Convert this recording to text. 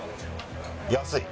安い！